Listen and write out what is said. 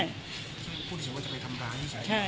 มาจะไปทำร้ายก็ใช่